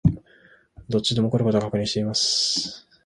どっちでも起こる事は確認しています